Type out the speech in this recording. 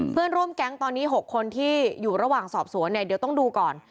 เพื่อนร่วมแก๊งตอนนี้๖คนที่อยู่ระหว่างสอบสวนเนี่ยเดี๋ยวต้องดูก่อน